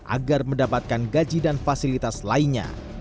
agar mendapatkan gaji dan fasilitas lainnya